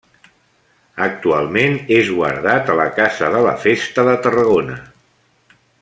Actualment és guardat a la Casa de la festa de Tarragona.